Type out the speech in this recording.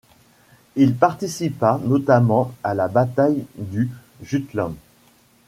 Il participa notamment à la bataille du Jutland.